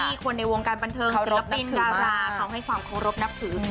ที่คนในวงการบันเทิงศิลปินกราบราค่าวให้ความโคลบนับถือ